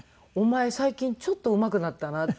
「お前最近ちょっとうまくなったな」